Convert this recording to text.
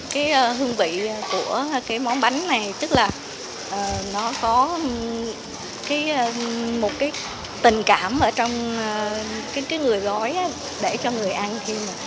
cái hương vị của cái món bánh này tức là nó có một cái tình cảm ở trong cái người gói để cho người ăn khi mà